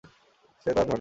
সে তার ধনে।